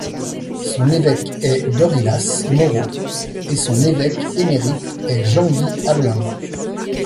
Son évêque est Dorylas Moreau et son évêque émérite est Jean-Guy Hamelin.